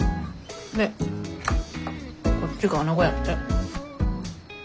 でこっちがアナゴやって。